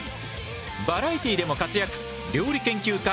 バラエティーでも活躍料理研究家